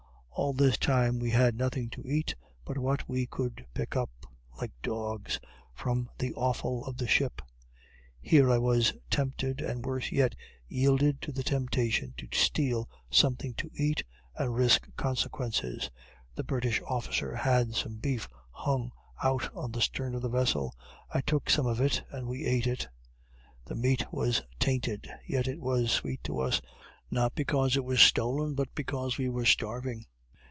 All this time we had nothing to eat but what we could pick up, like dogs, from the offal of the ship. Here I was tempted, and worse yet, yielded to the temptation, to steal something to eat, and risk consequences. The British officer had some beef hung out on the stern of the vessel, I took some of it, and we eat it. The meat was tainted; yet it was sweet to us, not because it was stolen, but because we were starving.